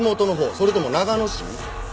それとも長野市？